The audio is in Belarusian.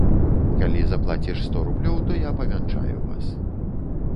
Калі заплаціш сто рублёў, то я павянчаю вас.